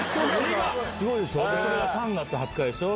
それが３月２０日でしょ